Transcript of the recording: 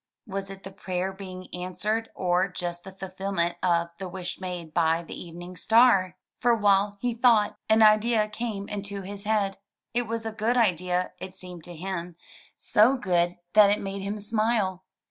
Was it the prayer being answered, or just the fulfillment of the wish made by the evening star? For while he thought, an 113 MY BOOK HOUSE idea came into his head. It was a good idea, it seemed to him, so good that it made him smile.